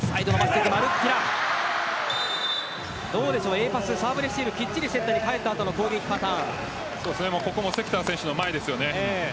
Ａパス、サーブレシーブきっちりセッターに返った後の攻撃パターン関田選手の前ですよね。